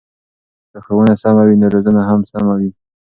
که ښوونه سمه وي نو روزنه هم سمه وي.